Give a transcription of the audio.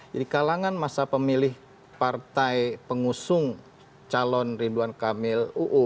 jadi kalangan masa pemilih partai pengusung calon rinduan kalimantan